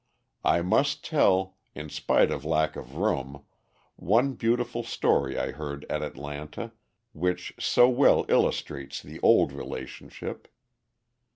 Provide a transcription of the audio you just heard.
I must tell, in spite of lack of room, one beautiful story I heard at Atlanta, which so well illustrates the old relationship.